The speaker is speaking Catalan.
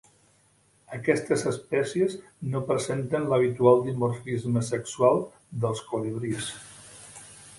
Aquestes espècies no presenten l'habitual dimorfisme sexual dels colibrís.